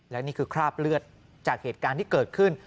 และนี่คือคราบเลือดจากเหตุการณ์ที่เกิดขึ้น